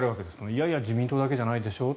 いやいや自民党だけじゃないでしょう